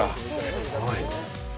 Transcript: すごい。